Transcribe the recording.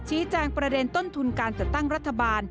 ชี้แจงประเด็นต้นทุนการตะตั้งรัฐบาล